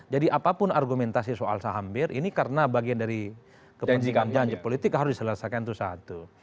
jadi apapun argumentasi soal saham bir ini karena bagian dari kepentingan janji politik harus diselesaikan itu satu